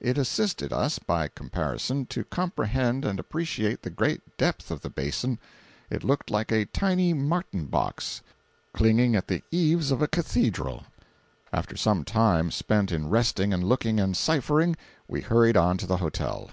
It assisted us, by comparison, to comprehend and appreciate the great depth of the basin—it looked like a tiny martin box clinging at the eaves of a cathedral. After some little time spent in resting and looking and ciphering, we hurried on to the hotel.